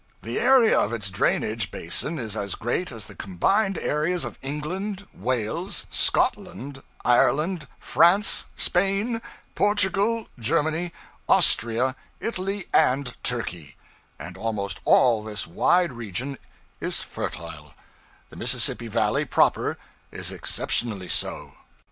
The area of its drainage basin is as great as the combined areas of England, Wales, Scotland, Ireland, France, Spain, Portugal, Germany, Austria, Italy, and Turkey; and almost all this wide region is fertile; the Mississippi valley, proper, is exceptionally so.